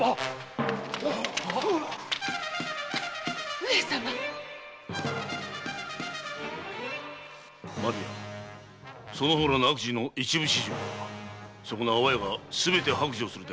上様⁉間宮その方らの悪事の一部始終はそこな安房屋が白状するであろう。